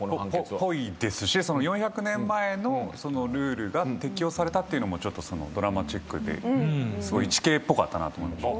ぽいですし４００年前のルールが適用されたっていうのもドラマチックですごい『イチケイ』っぽかったなと思いました。